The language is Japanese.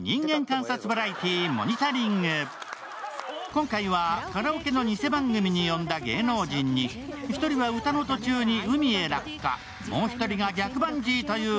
今回はカラオケの偽番組に呼んだ芸能人に１人が歌の途中に海へ落下、もう１人が逆バンジーという